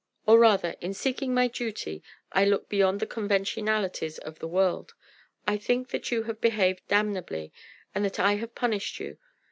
"Or rather, in seeking my duty, I look beyond the conventionalities of the world. I think that you have behaved damnably, and that I have punished you.